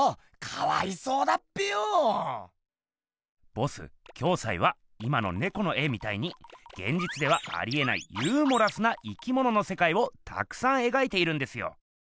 ボス暁斎は今の猫の絵みたいにげんじつではありえないユーモラスな生きもののせかいをたくさんえがいているんですよ。